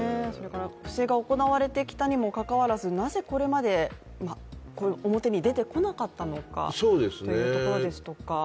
不正が行われてきたにもかかわらず、なぜここまで表に出てこなかったのかということですとか。